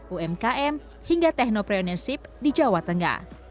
umkm hingga techno pioneership di jawa tengah